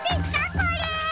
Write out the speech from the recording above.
これ！